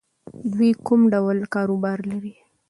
دوی کوم ډول کاروبار لري؟